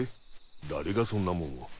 誰がそんなもんを？